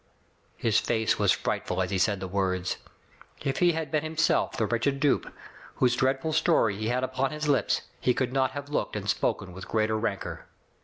His face was frightful as he said the words. If he had been himself the wretched dupe, whose dreadful story he had upon his lips, he could not have looked and spoken with greater rancor.